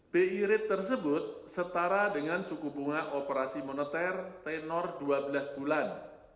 bi rate tersebut setara dengan suku bunga operasi moneter tenor dua belas bulan